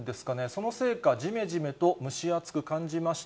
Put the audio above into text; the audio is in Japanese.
そのせいか、じめじめと蒸し暑く感じました。